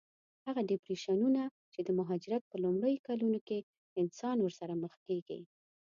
هغه ډېپریشنونه چې د مهاجرت په لومړیو کلونو کې انسان ورسره مخ کېږي.